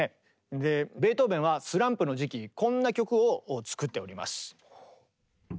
でベートーベンはスランプの時期こんな曲を作っております。